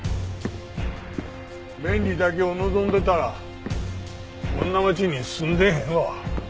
便利だけを望んでたらこんな町に住んでへんわ。